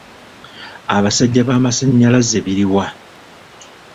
Abasajja b'amasaanyalaze biri wa?